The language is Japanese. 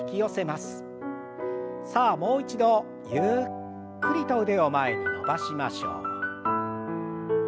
さあもう一度ゆっくりと腕を前に伸ばしましょう。